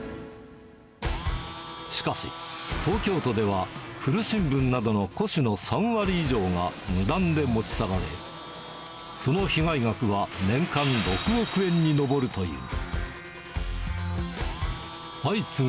しかし、東京都では古新聞などの古紙の３割以上が無断で持ち去られ、その被害額は年間６億円に上るという。